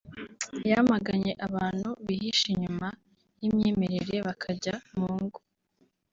yamaganye abantu bihisha inyuma y’imyemerere bakajya mu ngo